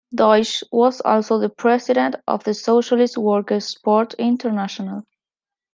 Deutsch was also the President of the Socialist Workers' Sport International.